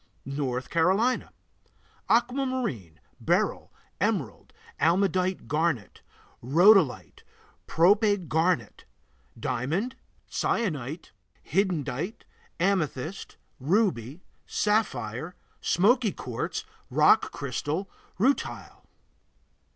North Carolina Aquamarine, beryl, emerald, almandite garnet, rhodolite, prope garnet, diamond, cyanite, hiddenite, amethyst, ruby, sapphire, smoky quartz, rock crystal, rutile.